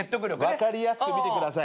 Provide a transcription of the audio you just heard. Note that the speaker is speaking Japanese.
分かりやすく見てください。